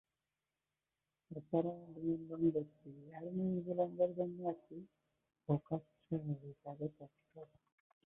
এছাড়াও বিমানবন্দরটি এয়ার নিউজিল্যান্ডের জন্য একটি ফোকাস শহর হিসাবে কাজ করে।